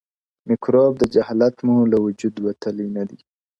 مِکروب د جهالت مو له وجود وتلی نه دی,